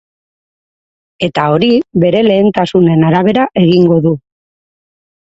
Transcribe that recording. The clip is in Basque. Eta hori bere lehentasunen arabera egingo du.